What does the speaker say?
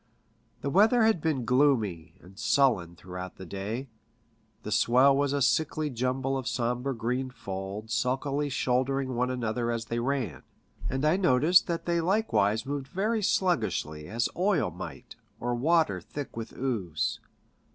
The weather had been gloomy and sullen throughout the day ; the swell was a sickly jumble of sombre green folds sulkily shouldering one another as they ran, and I noticed that they like wise moved very sluggishly as oil might, or water thick with ooze.